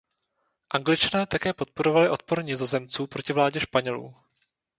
Angličané také podporovali odpor Nizozemců proti vládě Španělů.